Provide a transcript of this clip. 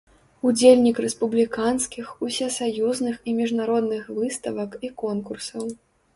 Удзельнік рэспубліканскіх, усесаюзных і міжнародных выставак і конкурсаў.